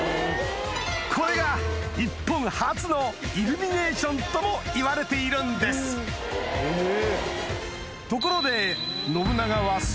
これが日本初のイルミネーションともいわれているんですえ？